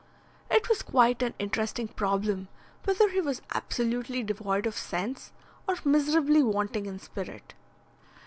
It was quite an interesting problem whether he was absolutely devoid of sense, or miserably wanting in spirit.